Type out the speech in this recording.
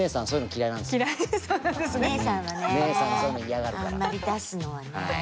あんまり出すのはね。